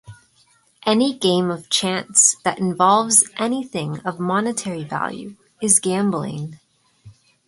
Any game of chance that involves anything of monetary value is gambling.